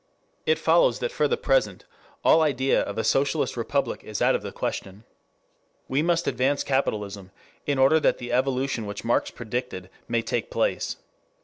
it follows that for the present all idea of a socialist republic is out of the question... we must advance capitalism in order that the evolution which Marx predicted may take place.